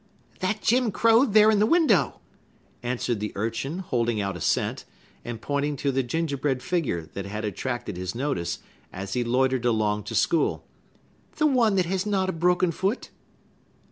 "That Jim Crow there in the window," answered the urchin, holding out a cent, and pointing to the gingerbread figure that had attracted his notice, as he loitered along to school; "the one that has not a broken foot."